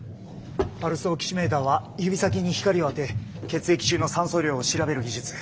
パルスオキシメーターは指先に光を当て血液中の酸素量を調べる技術。